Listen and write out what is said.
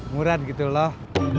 murad gitu loh